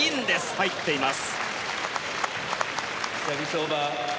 入っています。